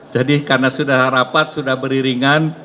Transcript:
jadi karena sudah rapat sudah beriringan